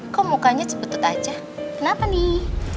kok mukanya cipetut aja kenapa nih